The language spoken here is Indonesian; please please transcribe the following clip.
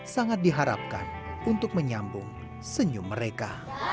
sangat diharapkan untuk menyambung senyum mereka